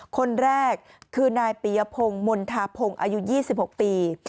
คนแรกคือนายปียพงศ์มณฑาพงศ์อายุ๒๖ปี